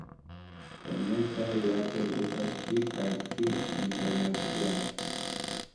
Komercaj rilatoj estas pli kaj pli internaciaj.